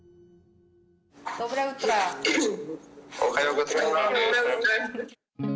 おはようございます。